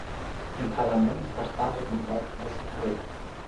Im Parlament vertrat er den Wahlkreis Calw.